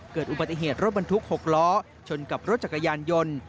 เกิดอุบัติเหตุรถบรรทุก๖ล้อชนกับรถจักรยานยนต์